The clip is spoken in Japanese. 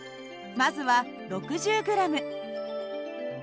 まずは６０ｇ。